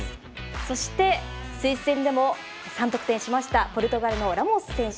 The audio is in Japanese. そしてスイス戦でも３得点しましたポルトガルのラモス選手。